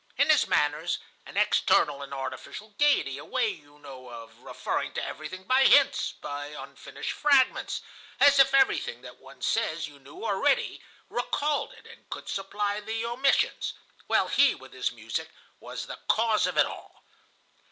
In his manners an external and artificial gayety, a way, you know, of referring to everything by hints, by unfinished fragments, as if everything that one says you knew already, recalled it, and could supply the omissions. Well, he, with his music, was the cause of all.